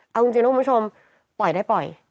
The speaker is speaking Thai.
เอาจริงนะคุณผู้ชมปล่อยได้ปล่อย